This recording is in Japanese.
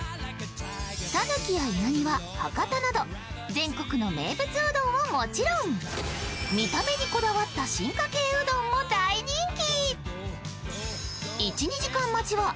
讃岐や稲庭、博多など全国の名物うどんはもちろん見た目にこだわった進化系うどんも大人気。